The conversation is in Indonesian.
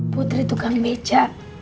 putri tukang beca